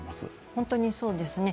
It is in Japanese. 本当にそうですね。